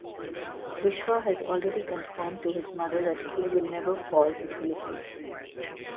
Vishwa has already confirmed to his mother that he will never fall for Thulasi.